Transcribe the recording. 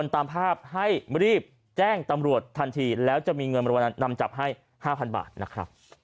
ตามภาพให้รีบแจ้งตำรวจทันทีแล้วจะมีเงินนำจับให้๕๐๐บาทนะครับ